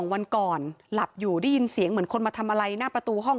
วันก่อนหลับอยู่ได้ยินเสียงเหมือนคนมาทำอะไรหน้าประตูห้อง